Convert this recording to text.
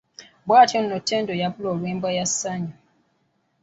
Bwatyo nno Ttendo yabula olw'embwa ye Ssanyu.